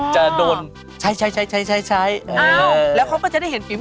จะโดนใช้แล้วเขาก็จะได้เห็นฝีมือหรือยัง